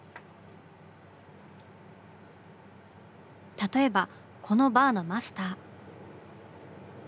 例えばこのバーのマスター。